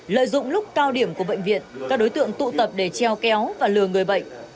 lợi dụng lúc cao điểm của bệnh viện các đối tượng tụ tập để treo kéo và lừa người bệnh